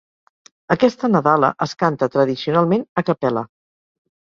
Aquesta nadala es canta tradicionalment "a cappella".